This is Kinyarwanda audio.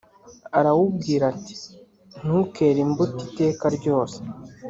arawubwira ati “Ntukere imbuto iteka ryose.”